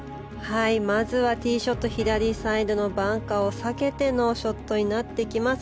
まずはティーショット、左サイドのバンカーを避けてのショットになってきます。